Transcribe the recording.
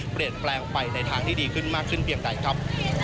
เปลี่ยนแปลงไปในทางที่ดีขึ้นมากขึ้นเพียงใดครับ